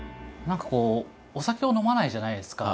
何かこうお酒を飲まないじゃないですか。